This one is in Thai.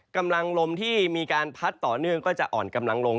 กำลังลมที่มีการพัดต่อเนื่องก็จะอ่อนกำลังลง